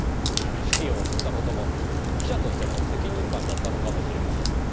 手記を送った事も記者としての責任感だったのかもしれません。